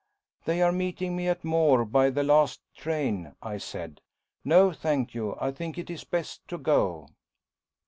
"They are meeting me at Moore by the last train," I said. "No, thank you, I think it is best to go."